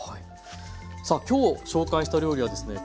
さあ今日紹介した料理はですね